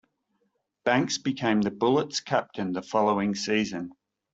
Banks became the Bullets' captain the following season.